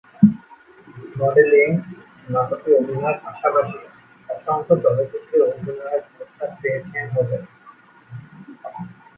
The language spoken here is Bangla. মডেলিং, নাটকে অভিনয়ের পাশাপাশি অসংখ্য চলচ্চিত্রে অভিনয়ের প্রস্তাব পেয়েছেন নোবেল।